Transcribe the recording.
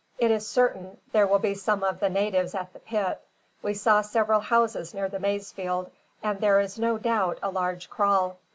"It is certain there will be some of the natives at the pit. We saw several houses near the maize field, and there is no doubt a large kraal."